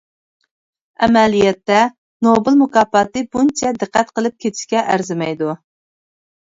ئەمەلىيەتتە، نوبېل مۇكاپاتى بۇنچە دىققەت قىلىپ كېتىشكە ئەرزىمەيدۇ.